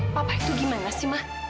papa itu gimana sih mah